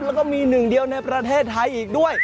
แล้วก็มีหนึ่งเดียวในประเทศไทยอีกด้วย